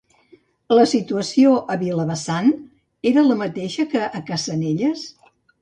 La situació a Vilavessant era la mateixa que a Cassanelles?